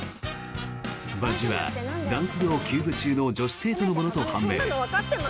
バッジはダンス部を休部中の女子生徒のものと判明。